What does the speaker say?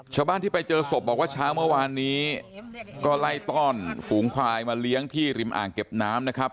ชาวบ้านที่ไปเจอศพบอกว่าเช้าเมื่อวานนี้ก็ไล่ต้อนฝูงควายมาเลี้ยงที่ริมอ่างเก็บน้ำนะครับ